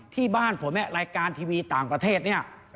ที่บ้านผมรายการทีวีต่างประเทศเนี่ย